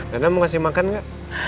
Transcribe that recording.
reina mau kasih makan nggak